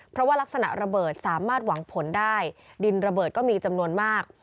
เพราะว่ารักษณะระเบิดสามารถหวังผลได้ดินระเบิดก็มีจำนวนมาก